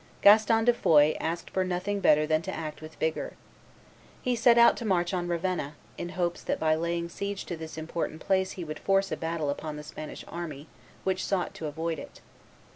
Gaston de Foix asked for nothing better than to act with vigor. He set out to march on Ravenna, in hopes that by laying siege to this important place he would force a battle upon the Spanish army, which sought to avoid it.